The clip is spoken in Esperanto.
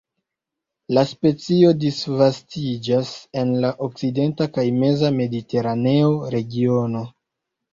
La specio disvastiĝas en la okcidenta kaj meza mediteraneo regiono.